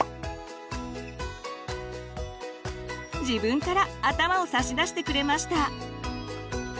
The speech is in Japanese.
自分から頭を差し出してくれました。